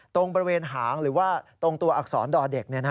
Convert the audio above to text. ตรงบริเวณหางหรือว่าตรงตัวอักษรดอเด็ก